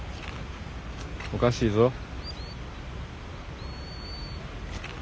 おかしいぞ。